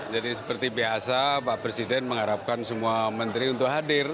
jadi seperti biasa pak presiden mengharapkan semua menteri untuk hadir